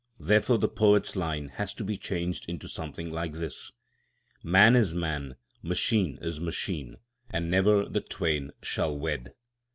Therefore the poet's line has to be changed into something like this: Man is man, machine is machine, And never the twain shall wed.